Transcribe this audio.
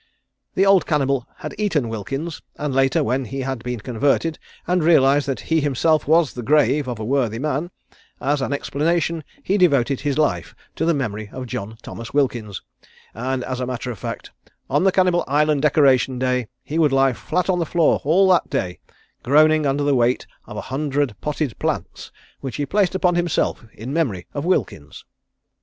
"The old cannibal had eaten Wilkins and later when he had been converted and realised that he himself was the grave of a worthy man, as an expiation he devoted his life to the memory of John Thomas Wilkins, and as a matter of fact, on the Cannibal Island Decoration Day he would lie flat on the floor all the day, groaning under the weight of a hundred potted plants, which he placed upon himself in memory of Wilkins."